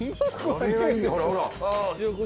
ほらほら。